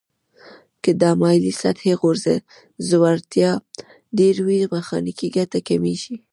که د مایلې سطحې ځوړتیا ډیر وي میخانیکي ګټه کمیږي.